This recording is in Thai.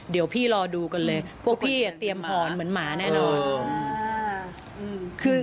เดี๋ยวพี่รอดูกันเลยพวกพี่เตรียมหอนเหมือนหมาแน่นอน